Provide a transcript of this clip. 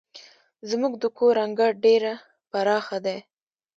زموږ د کور انګړ ډير پراخه دی.